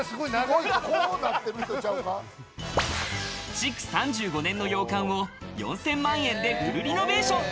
築３５年の洋館を４０００万円でフルリノベーション！